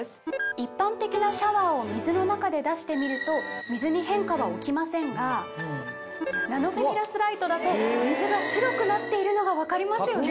一般的なシャワーを水の中で出してみると水に変化は起きませんがナノフェミラスライトだと水が白くなっているのが分かりますよね。